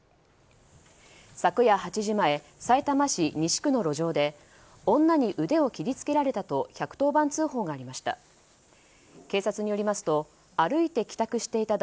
昨夜８時前さいたま市西区の路上で女に腕を切り付けられたと１１０番通報がありました。